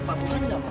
pak burhan nggak mau